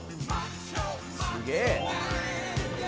「すげえ！」